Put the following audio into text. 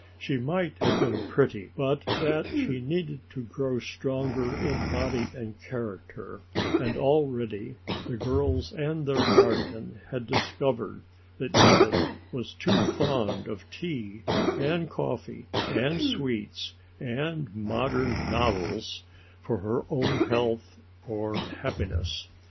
She might have been pretty, but that she needed to grow stronger in body and character, and already the girls and their guardian had discovered that Edith was too fond of tea and coffee and sweets and modern novels for her own health or happiness.